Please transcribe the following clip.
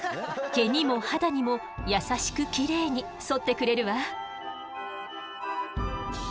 毛にも肌にも優しくきれいにそってくれるわ。